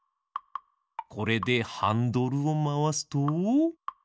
これでハンドルをまわすと。